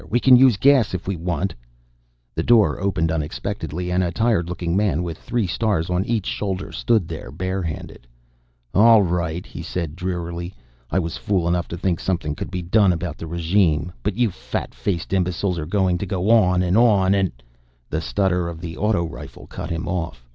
We can use gas if we want." The door opened unexpectedly and a tired looking man with three stars on each shoulder stood there, bare handed. "All right," he said drearily. "I was fool enough to think something could be done about the regime. But you fat faced imbeciles are going to go on and on and " The stutter of the auto rifle cut him off.